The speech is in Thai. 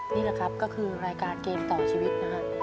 นี่แหละครับก็คือรายการเกมต่อชีวิตนะฮะ